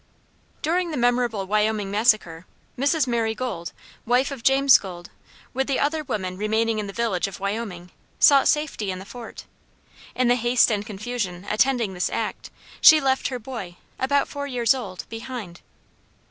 During the memorable Wyoming massacre, Mrs. Mary Gould, wife of James Gould, with the other women remaining in the village of Wyoming, sought safety in the fort. In the haste and confusion attending this act, she left her boy, about four years old, behind.